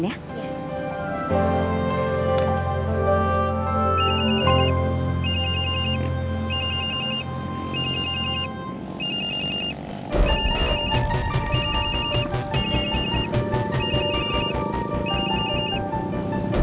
bentar ya mbak